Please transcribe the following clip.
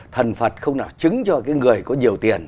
thần phật không nào chứng cho cái người có nhiều tiền